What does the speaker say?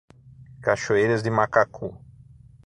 Cachoeiras de Macacu